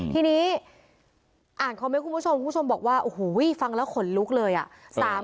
ทีนี้อ่านคอมเมนต์คุณผู้ชมคุณผู้ชมบอกว่าโอ้โหฟังแล้วขนลุกเลยอ่ะ